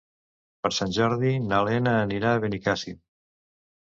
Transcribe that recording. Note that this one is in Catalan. Per Sant Jordi na Lena anirà a Benicàssim.